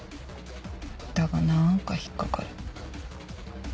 だがなんか引っ掛かる。